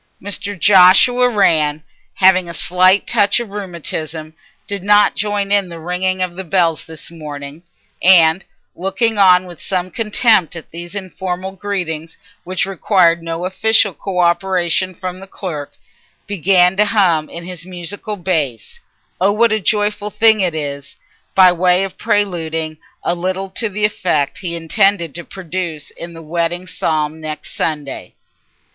Mr. Joshua Rann, having a slight touch of rheumatism, did not join in the ringing of the bells this morning, and, looking on with some contempt at these informal greetings which required no official co operation from the clerk, began to hum in his musical bass, "Oh what a joyful thing it is," by way of preluding a little to the effect he intended to produce in the wedding psalm next Sunday.